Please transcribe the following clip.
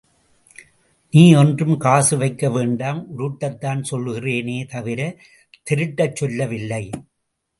நீ ஒன்றும் காசுவைக்க வேண்டாம் உருட்டத்தான் சொல்கிறேனே தவிரத் தெருட்டச் சொல்லவில்லை.